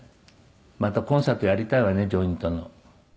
「またコンサートやりたいわねジョイントの」